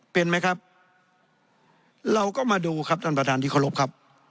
เป็นไหมครับเราก็มาดูครับท่านประธานที่เคารพครับ